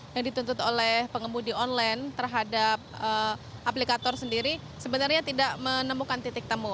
yang dituntut oleh pengemudi online terhadap aplikator sendiri sebenarnya tidak menemukan titik temu